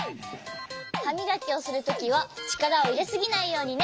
はみがきをするときはちからをいれすぎないようにね。